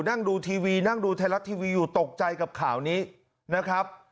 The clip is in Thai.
นั่งดูทีวีนั่งดูไทยรัฐทีวีอยู่ตกใจกับข่าวนี้นะครับ